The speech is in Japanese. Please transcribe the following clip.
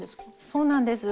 そうなんです。